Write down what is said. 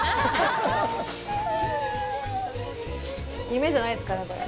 夢じゃないですかね、これ。